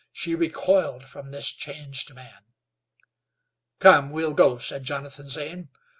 She recoiled from this changed man. "Come, we'll go," said Jonathan Zane.